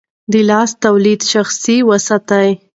د لاس توليه شخصي وساتئ.